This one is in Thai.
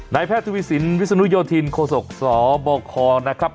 แพทย์ทวีสินวิศนุโยธินโคศกสบคนะครับ